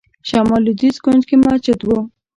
شمال لوېدیځ کونج کې مسجد و.